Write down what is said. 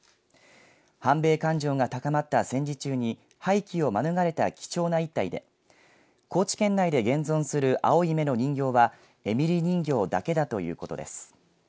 反米感情が高まった戦時中に廃棄を免れた貴重な１体で高知県内で現存する青い目の人形はエミリー人形だけだということです。